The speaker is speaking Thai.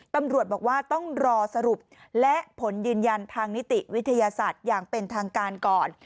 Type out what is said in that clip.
ตำรวจบอกว่าต้องรอสรุปและผลยืนยันทางนิติวิทยาศาสตร์อย่างเป็นทางการก่อน